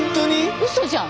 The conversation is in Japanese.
うそじゃん。